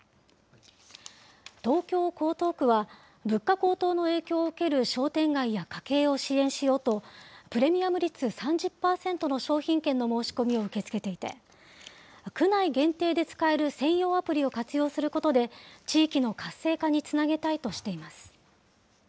東京・江東区は、物価高騰の影響を受ける商店街や家計を支援しようと、プレミアム率３０％の商品券の申し込みを受け付けていて、区内限定で使える専用アプリを活用することで、地域の活性化につなげたいとしています。